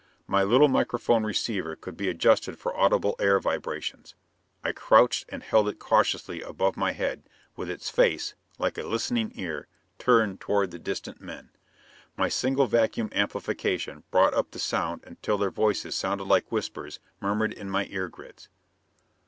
My little microphone receiver could be adjusted for audible air vibrations. I crouched and held it cautiously above my head with its face, like a listening ear, turned toward the distant men. My single vacuum amplification brought up the sound until their voices sounded like whispers murmured in my ear grids.